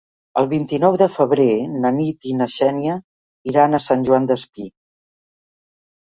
El vint-i-nou de febrer na Nit i na Xènia iran a Sant Joan Despí.